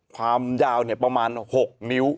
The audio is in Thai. ความยาวเนี่ยประมาณ๖มิว